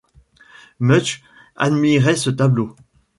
Munch admirait ce tableau.